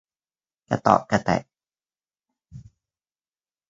กระเตาะกระแตะ